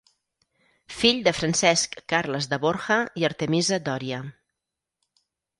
Fill de Francesc Carles de Borja i Artemisa Dòria.